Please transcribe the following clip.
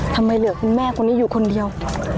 ทำไมเหลือคุณแม่คนนี้อยู่คนเดียว